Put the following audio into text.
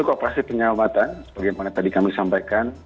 operasi penyelamatan seperti yang tadi kami sampaikan